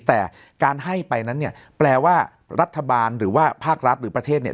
แต่การให้ไปนั้นเนี่ยแปลว่ารัฐบาลหรือว่าภาครัฐหรือประเทศเนี่ย